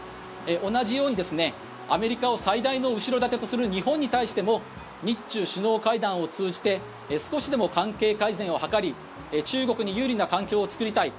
同じようにアメリカを最大の後ろ盾とする日本に対しても日中首脳会談を通じて少しでも関係改善を図り中国に有利な環境を作りたい